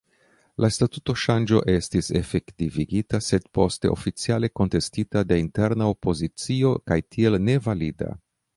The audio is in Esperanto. La statutoŝanĝo estis efektivigita, sed poste oficiale kontestita de interna opozicio, kaj tial nevalida.